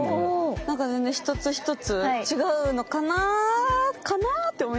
なんか全然一つ一つ違うのかな？かな？って思いながら見てましたね。